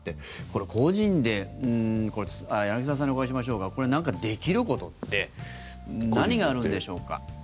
これ、個人で柳澤さんにお伺いしましょうかこれ、何かできることって何があるんでしょうか？